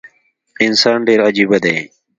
انسان ډیر عجیبه دي